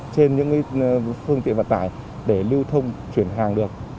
trên những phương tiện vận tải để lưu thông chuyển hàng được